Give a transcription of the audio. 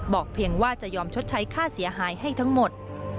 เพียงว่าจะยอมชดใช้ค่าเสียหายให้ทั้งหมด